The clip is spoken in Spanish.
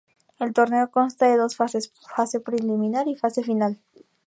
El torneo consta de dos fases: Fase preliminar y fase final.